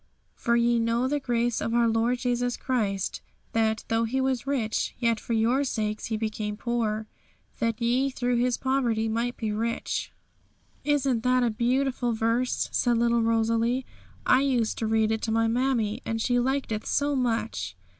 'For ye know the grace of our Lord Jesus Christ, that, though He was rich, yet for your sakes He became poor, that ye through His poverty might be rich.' 'Isn't that a beautiful verse?' said little Rosalie; 'I used to read it to my mammie, and she liked it so much.'